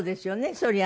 そりゃ。